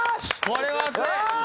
これは熱い！